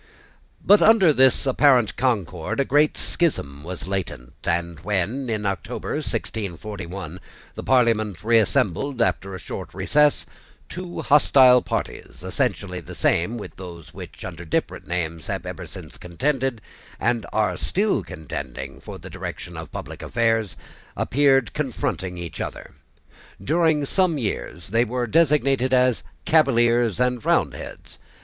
But under this apparent concord a great schism was latent; and when, in October, 1641, the Parliament reassembled after a short recess, two hostile parties, essentially the same with those which, under different names, have ever since contended, and are still contending, for the direction of public affairs, appeared confronting each other. During some years they were designated as Cavaliers and Roundheads.